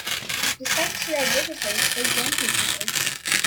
Despite their differences, they warm to each other.